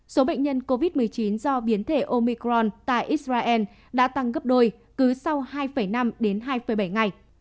số bệnh nhân covid một mươi chín do biến thể omicron tại israel đã tăng gấp đôi cứ sau hai năm đến hai bảy ngày